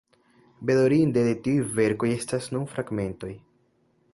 Bedaŭrinde, de tiuj verkoj restas nur fragmentoj.